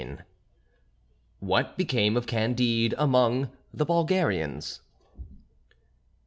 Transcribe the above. II WHAT BECAME OF CANDIDE AMONG THE BULGARIANS.